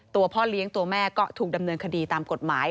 ตัวพ่อเลี้ยงตัวแม่ก็ถูกดำเนินคดีตามกฎหมาย